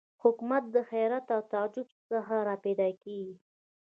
حکمت د حیرت او تعجب څخه را پیدا کېږي.